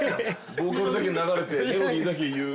◆ボーカルだけ流れてメロディーだけ言う。